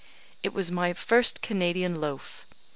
It was my first Canadian loaf.